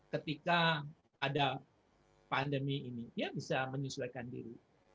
ketika ada pandemi ini dia bisa menyesuaikan diri